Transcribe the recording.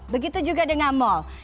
begitu juga dengan mall